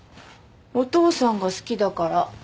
お父さんが好きだから。